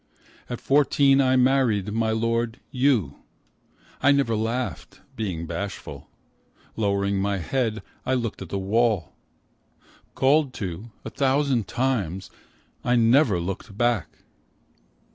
At fourteen I married My Lord you. I never laughed, being bashful. Lowering my head, I looked at the wall. Called to, a thousand times, I never looked back.